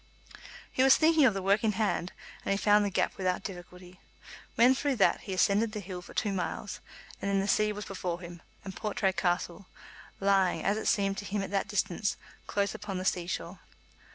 He was thinking of the work in hand, and he found the gap without difficulty. When through that he ascended the hill for two miles, and then the sea was before him, and Portray Castle, lying, as it seemed to him at that distance, close upon the sea shore.